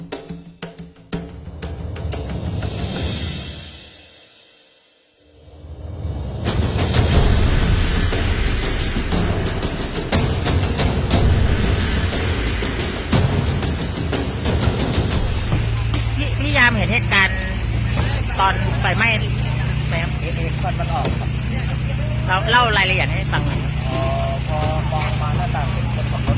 เก้าชีวิตหรือเราให้เจ้าของโน้น